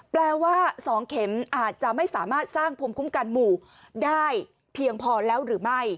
แปลว่า๒เข็มอาจจะไม่สามารถสร้างภูมิคุ้มกันหมู่ได้เพียงพอแล้วหรือไม่